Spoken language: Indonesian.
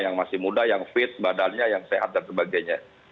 yang masih muda yang fit badannya yang sehat dan sebagainya